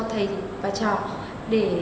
thầy và trò để